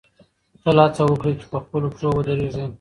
تل هڅه وکړئ چې په خپلو پښو ودرېږئ.